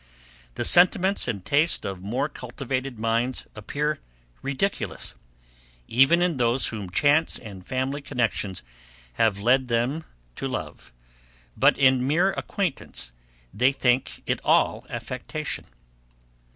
The sentiments and taste of more cultivated minds appear ridiculous, even in those whom chance and family connexions have led them to love; but in mere acquaintance they think it all affectation.